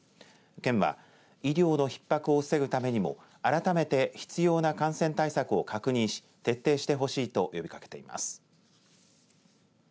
県は医療のひっ迫を防ぐためにも改めて必要な感染対策を確認して徹底してほしいと呼びかけています。